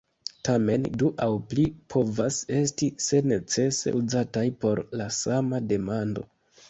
Tamen, du aŭ pli povas esti, se necese, uzataj por la sama demando.